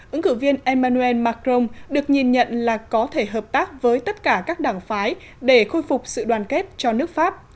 ứng cử viên emmanuel macron được nhìn nhận là có thể hợp tác với tất cả các đảng phái để khôi phục sự đoàn kết cho nước pháp